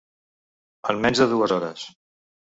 En menys de dues hores!